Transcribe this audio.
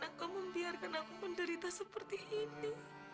engkau membiarkan aku menderita seperti ini